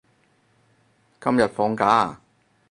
今日放假啊？